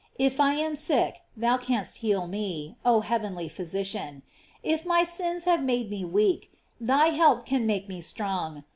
If I am sick, thou canst heal me, oh heavenly phy sician. If my sins have made nre weak, thy h«lp •an make me strong.